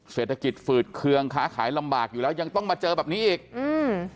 เศรษฐกิจฝืดเคืองค้าขายลำบากอยู่แล้วยังต้องมาเจอแบบนี้อีกอืม